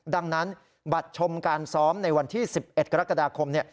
ดังนั้นบัตรชมการซ้อมในวันที่๑๑กรกฎาคม